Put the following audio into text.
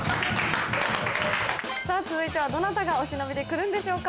さぁ続いてはどなたがお忍びで来るんでしょうか。